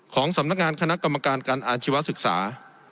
ของสำนักงานคณะกรรมการการอาชีวศึกษา